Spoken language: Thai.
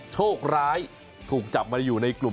โชคร้ายถูกจับมาอยู่ในกลุ่ม